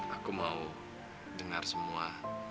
aku mau dengar semua